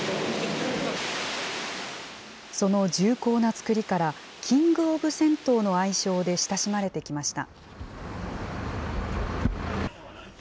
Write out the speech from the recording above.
その重厚な造りから、キングオブ銭湯の愛称で親しまれてきました。